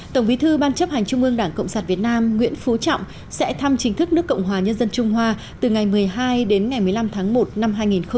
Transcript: tổng bí thư ban chấp hành trung ương đảng cộng sản việt nam nguyễn phú trọng sẽ thăm chính thức nước cộng hòa nhân dân trung hoa từ ngày một mươi hai đến ngày một mươi năm tháng một năm hai nghìn hai mươi